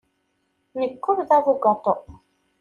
Nekk ur d abugaṭu.